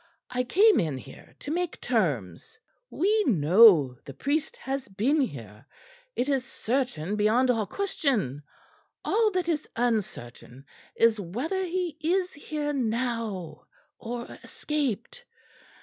I came in here to make terms. We know the priest has been here. It is certain beyond all question. All that is uncertain is whether he is here now or escaped.